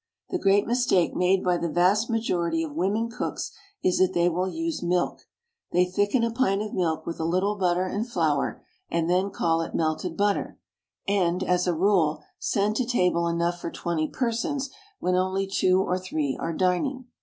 The great mistake made by the vast majority of women cooks is that they will use milk. They thicken a pint of milk with a little butter and flour, and then call it melted butter, and, as a rule, send to table enough for twenty persons when only two or three are dining.